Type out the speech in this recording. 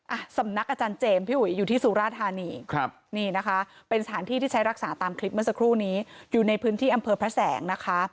อ่ะสำนักอาจารย์เจมส์พี่อุ๋ยอยู่ที่สุราธานีครับนี่นะคะเป็นสถานที่ที่ใช้รักษาตามคลิปเมื่อสักครู่นี้อยู่ในพื้นที่อำเภอพระแสงนะคะ